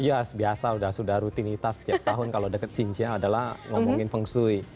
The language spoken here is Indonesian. iya biasa sudah rutinitas setiap tahun kalau deket xinjia adalah ngomongin feng shui